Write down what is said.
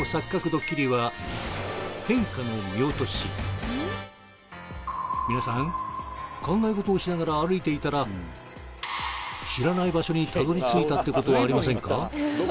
ドッキリは皆さん考え事をしながら歩いていたら知らない場所にたどり着いたってことはありませんか？